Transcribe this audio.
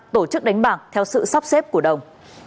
tổ chức đánh bạc theo sự sắp xếp của đồng